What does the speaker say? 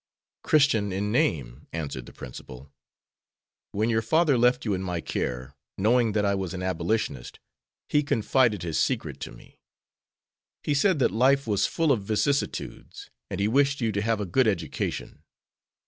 "Christian in name," answered the principal. "When your father left you in my care, knowing that I was an Abolitionist, he confided his secret to me. He said that life was full of vicissitudes, and he wished you to have a good education.